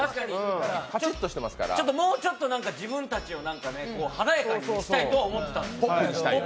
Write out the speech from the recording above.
もうちょっと自分たちを華やかに見せたいとは思ってたんです。